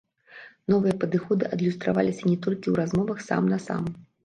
Новыя падыходы адлюстраваліся не толькі ў размовах сам-насам.